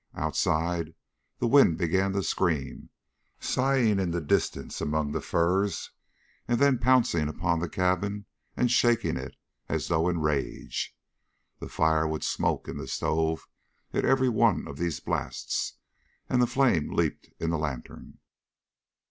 Outside, the wind began to scream, sighing in the distance among the firs, and then pouncing upon the cabin and shaking it as though in rage. The fire would smoke in the stove at every one of these blasts, and the flame leaped in the lantern.